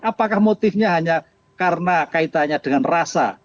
apakah motifnya hanya karena kaitannya dengan rasa